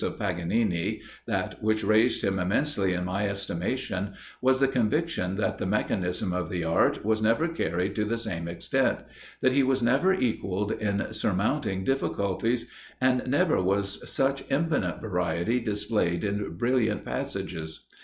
of Paganini, that which raised him immensely in my estimation, was the conviction that the mechanism of the art was never carried to the same extent that he was never equalled in surmounting difficulties and never was such infinite variety displayed in brilliant passages.